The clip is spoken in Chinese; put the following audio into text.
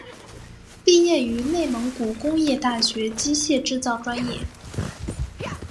毕业于内蒙古工业大学机械制造专业。